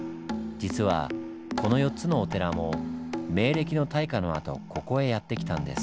実はこの４つのお寺も明暦の大火のあとここへやって来たんです。